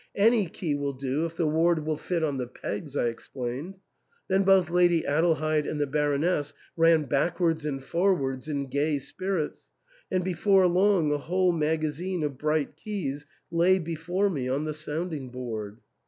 " Any key will do if the ward will fit on the pegs," I explained ; then both Lady Adelheid and the Baroness ran back wards and forwards in gay spirits, and before long a whole magazine of bright keys lay before me on the sounding board.